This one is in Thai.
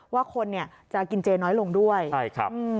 ว่าคนเนี่ยจะกินเจน้อยลงด้วยใช่ครับ